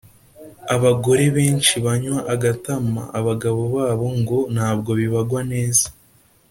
Abagore benshi banywa agatama abagabo babo ngo ntabwo bibagwa neza